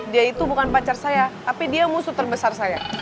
dia itu bukan pacar saya tapi dia musuh terbesar saya